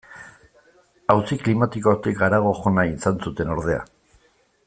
Auzi klimatikotik harago joan nahi izan zuten, ordea.